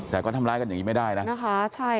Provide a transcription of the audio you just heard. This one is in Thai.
แต่ก็ทำร้ายกันอย่างนี้ไม่ได้นะนะคะ